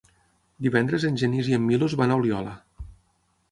Divendres en Genís i en Milos van a Oliola.